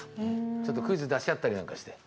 ちょっとクイズ出し合ったりなんかして。